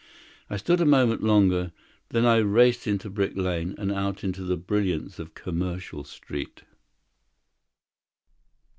I stood a moment longer. Then I raced into Brick Lane, and out into the brilliance of Commercial Street.